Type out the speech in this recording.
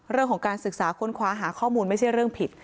เรื่องของการศึกษาค้นคว้าหาข้อมูลไม่ใช่เรื่องผิด